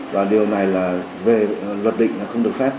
và điều này là về luật định là không được phép